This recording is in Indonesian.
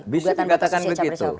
bisa dikatakan begitu